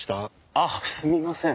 あっすみません。